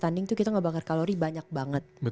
tanding tuh kita ngebakar kalori banyak banget